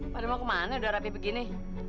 pada mau kemana udah rapi begini